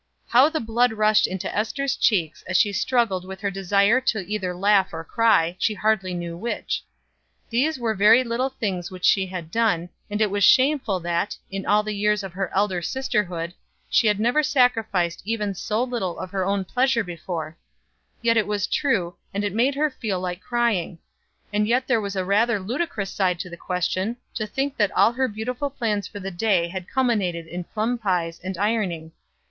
How the blood rushed into Ester's cheeks as she struggled with her desire to either laugh or cry, she hardly knew which. These were very little things which she had done, and it was shameful that, in all the years of her elder sisterhood, she had never sacrificed even so little of her own pleasure before; yet it was true, and it made her feel like crying and yet there was rather a ludicrous side to the question, to think that all her beautiful plans for the day had culminated in plum pies and ironing.